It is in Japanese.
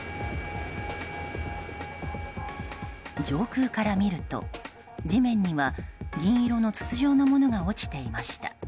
上空から見ると、地面には銀色の筒状のものが落ちていました。